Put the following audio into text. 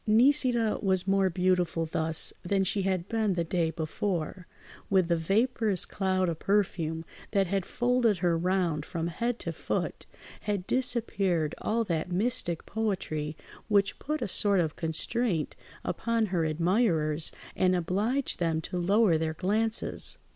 Nisida was more beautiful thus than she had been the day before; with the vaporous cloud of perfume that had folded her round from head to foot had disappeared all that mystic poetry which put a sort of constraint upon her admirers and obliged them to lower their glances.